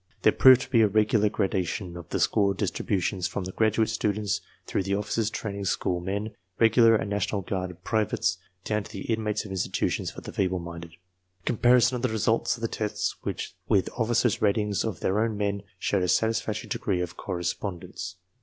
There proved to be a regular gradation of score distributions from the graduate students through the officers' training school men, regular and national guard pri vates, down to the inmates of institutions for the feeble minded. Comparison of the results of the tests with officers' ratings of their own men showed a satisfactory degree of correspondence.